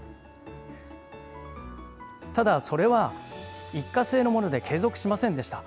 ただ、それは一過性のもので、継続しませんでした。